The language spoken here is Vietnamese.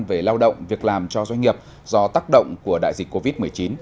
về lao động việc làm cho doanh nghiệp do tác động của đại dịch covid một mươi chín